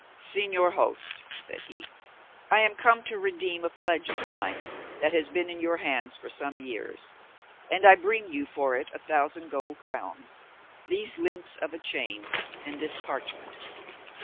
"Señor host," said he, "I am come to redeem a pledge of mine which has been in your hands for some years, and I bring you for it a thousand gold crowns, these links of a chain, and this parchment."